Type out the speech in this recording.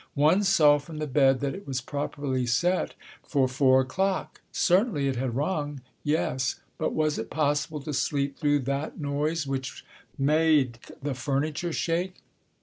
One saw from the bed that it was properly set for four o'clock. Certainly it had rung. Yes, but was it possible to sleep through that noise which made the furniture shake?